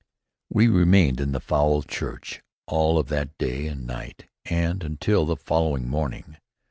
We remained in the fouled church all of that day and night and until the following morning.